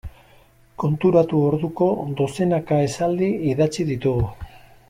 Konturatu orduko dozenaka esaldi idatzi ditugu.